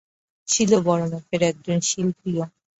ছিল বড় মাপের একজন শিল্পীও।